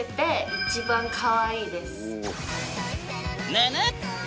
ぬぬっ！